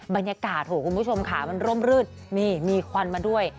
บรรยากาศโหคุณผู้ชมค่ะมันร่มรืดนี่มีควันมาด้วย